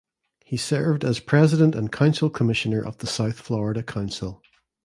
He served as president and council commissioner of the South Florida Council.